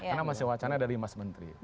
karena masih wacana dari mas menteri